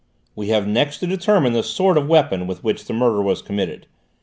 "We have next to determine the sort of weapon with which the murder was committed.